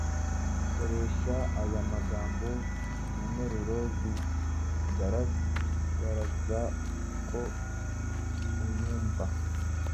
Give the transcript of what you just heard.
Koresha aya magambo mu nteruro zigaragaza ko uyumva: